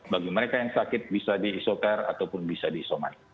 bagi mereka yang sakit bisa di isokar ataupun bisa di isoman